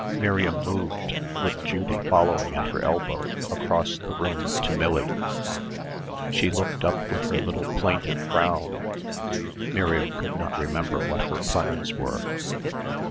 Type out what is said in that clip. Miriam moved, with Judy following at her elbow, across the room to Millie. She looked up with her little plaintive frown. Miriam could not remember what her plans were.